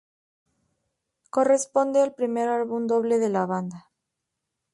Corresponde al primer álbum doble de la banda.